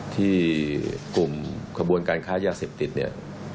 ที่กลุ่มขบวนการค้ายาเสพติดเนี่ย